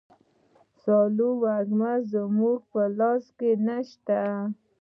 سالو وږمه زموږ په لاس کي نسته.